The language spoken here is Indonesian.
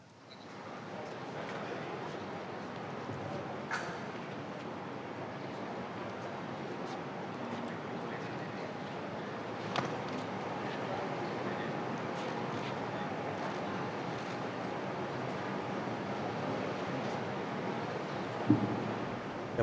ya terima kasih pak